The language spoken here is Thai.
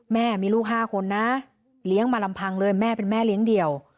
แม่มีลูก๕คนนะเลี้ยงมาลำพังเลยแม่เป็นแม่เลี้ยงเดี่ยว